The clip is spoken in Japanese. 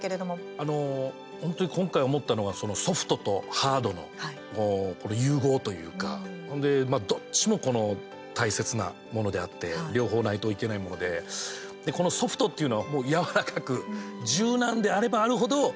あの本当に今回思ったのはソフトとハードの融合というか、ほんでどっちも大切なものであって両方ないといけないものでこのソフトというのは柔らかく柔軟であればある程、楽しい。